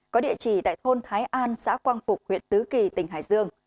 có địa chỉ tại thôn thái an xã quang phục huyện tứ kỳ tỉnh hải dương